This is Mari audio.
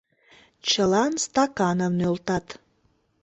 Чылан стаканым нӧлтат.